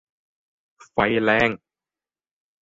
ไฟแรง !